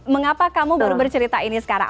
mengapa kamu baru bercerita ini sekarang